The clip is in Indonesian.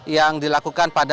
yang dilakukan pada